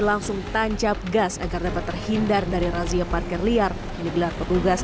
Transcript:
langsung tancap gas agar dapat terhindar dari razia parkir liar yang digelar petugas